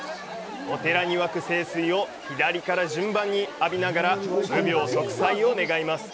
お寺に湧く聖水を左から順番に浴びながら無病息災を願います。